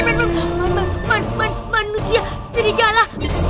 man man man man man man man manusia serigala